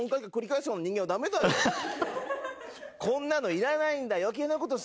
こんなのいらないんだ。